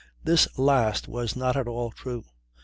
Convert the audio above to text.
This last was not at all true.